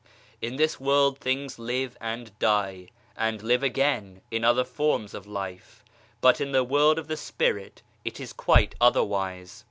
In this world things live and die, and live again in other forms of life, but in the world of the spirit it is quite otherwise.